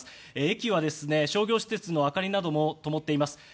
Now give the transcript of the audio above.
駅は商業施設の明かりなどもともっています。